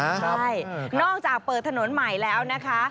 ใช่นอกจากเปิดถนนใหม่แล้วนะคะ